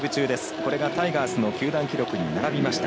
これがタイガースの球団記録に並びました。